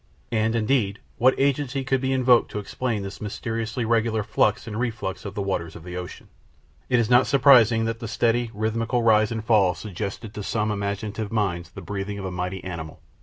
And, indeed, what agency could be invoked to explain this mysteriously regular flux and reflux of the waters of the ocean? It is not surprising that that steady, rhythmical rise and fall suggested to some imaginative minds the breathing of a mighty animal.